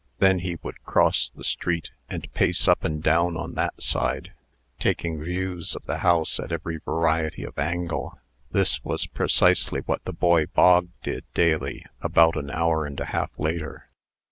Then he would cross the street, and pace up and down on that side, taking views of the house at every variety of angle. This was precisely what the boy Bog did daily about an hour and a half later.